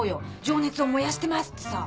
情熱を燃やしてますってさ。